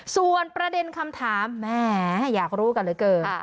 ส่วนประเด็นคำถามแหมอยากรู้กันเหลือเกิน